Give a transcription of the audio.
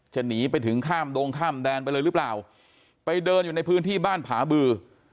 หนีไปถึงข้ามดงข้ามแดนไปเลยหรือเปล่าไปเดินอยู่ในพื้นที่บ้านผาบือ